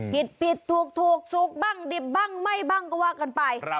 ผิดผิดถูกสุขบ้างดิบบ้างไม่บ้างก็ว่ากันไป